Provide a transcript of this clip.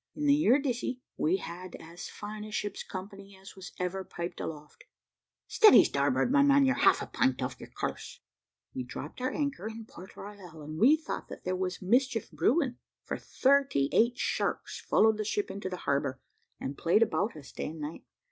In the Euridiscy we had as fine a ship's company as was ever piped aloft `Steady, starboard, my man, you're half a pint off your course;' we dropped our anchor in Port Royal, and we thought that there was mischief brewing, for thirty eight sharks followed the ship into the harbour, and played about us day and night.